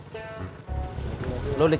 tetap lebih plenum